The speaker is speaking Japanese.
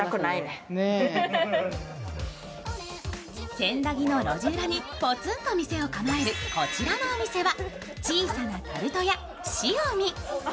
千駄木の路地裏にぽつんと店を構えるこちらのお店は、小さなタルト屋シオミ。